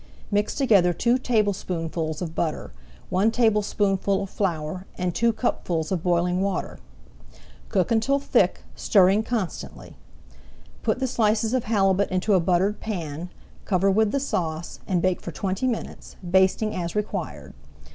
Mix together two tablespoonfuls of butter, one tablespoonful of flour, and two cupfuls of boiling water. Cook until thick, stirring constantly. Put the slices of halibut into a buttered pan, cover with the sauce, and bake for twenty minutes, basting as required.